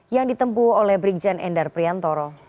yang ditempuh oleh brigjen endar priantoro